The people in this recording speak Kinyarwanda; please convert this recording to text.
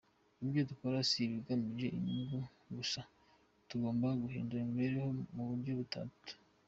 Ibyo dukora si ibigamije inyungu gusa; tugomba guhindura imibereho mu buryo butatu.